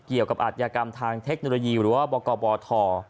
เกี่ยวกับอัตยกรรมทางเทคโนโลยีหรือว่าบกบธ